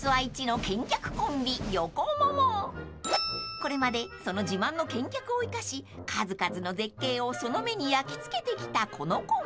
［これまでその自慢の健脚を生かし数々の絶景をその目に焼き付けてきたこのコンビ］